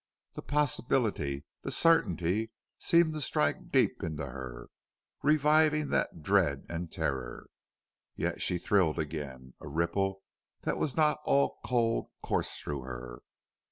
The possibility, the certainty, seemed to strike deep into her, reviving that dread and terror. Yet she thrilled again; a ripple that was not all cold coursed through her.